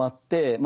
まあ